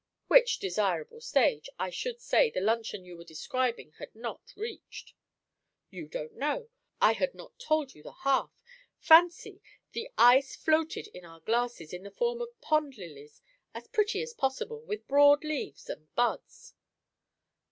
"Which desirable stage I should say the luncheon you were describing had not reached." "You don't know. I had not told you the half. Fancy! the ice floated in our glasses in the form of pond lilies; as pretty as possible, with broad leaves and buds."